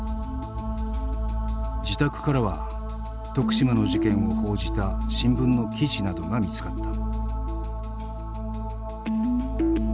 自宅からは徳島の事件を報じた新聞の記事などが見つかった。